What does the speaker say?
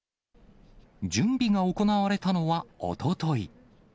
準備が行われたのは、おととい。